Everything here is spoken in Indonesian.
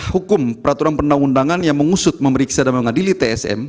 hukum peraturan perundang undangan yang mengusut memeriksa dan mengadili tsm